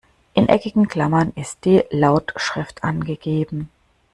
In eckigen Klammern ist die Lautschrift angegeben.